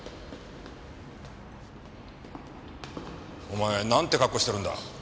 お前なんて格好してるんだ。